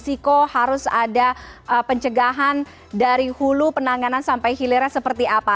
resiko harus ada pencegahan dari hulu penanganan sampai hilirnya seperti apa